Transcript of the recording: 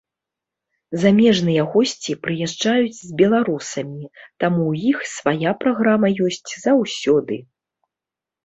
Замежныя госці прыязджаюць з беларусамі, таму ў іх свая праграма ёсць заўсёды.